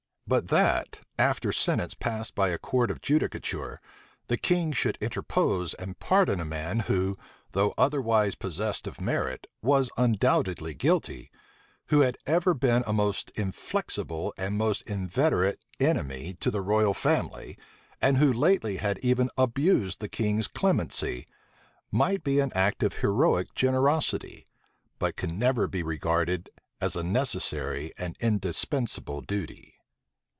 But that, after sentence passed by a court of judicature, the king should interpose and pardon a man who, though otherwise possessed of merit, was undoubtedly guilty, who had ever been a most inflexible and most inveterate enemy to the royal family, and who lately had even abused the king's clemency, might be an act of heroic generosity, but can never be regarded as a necessary and indispensable duty.